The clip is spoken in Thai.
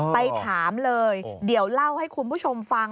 ไปถามเลยเดี๋ยวเล่าให้คุณผู้ชมฟัง